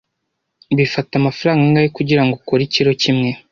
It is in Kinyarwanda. Bifata amafaranga angahe kugirango ukore ikiro kimwe?